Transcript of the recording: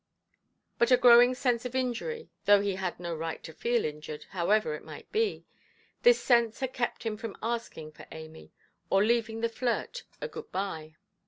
But a growing sense of injury—though he had no right to feel injured, however it might be—this sense had kept him from asking for Amy, or leaving the flirt a good–bye.